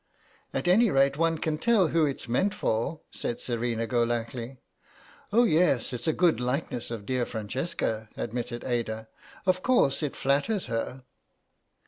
"At any rate one can tell who it's meant for," said Serena Golackly. "Oh, yes, it's a good likeness of dear Francesca," admitted Ada; "of course, it flatters her."